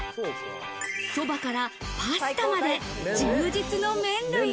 そばからパスタまで、充実の麺類。